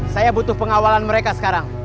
saya butuh pengawalan mereka sekarang